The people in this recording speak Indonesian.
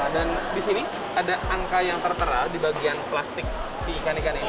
dan di sini ada angka yang tertera di bagian plastik si ikan ikan ini